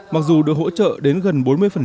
mặc dù được hỗ trợ đến gần bốn mươi